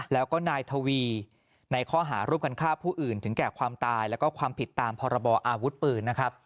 แล้วก็นายทวีในข้อหาร่วมกันฆ่าผู้อื่นถึงแก่ความตายแล้วก็ความผิดตามพรบออาวุธปืนนะครับ